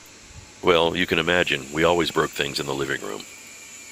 Well, you can imagine, we always broke things in the living room.